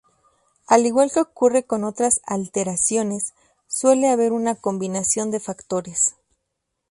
Al igual que ocurre con otras alteraciones, suele haber una combinación de factores.